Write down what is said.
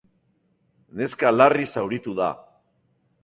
Neska larri zauritu da.